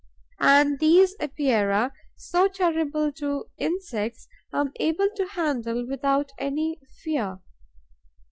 And these Epeirae, so terrible to insects, I am able to handle without any fear.